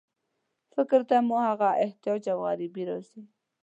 فکر ته مو هغه احتیاج او غریبي راځي.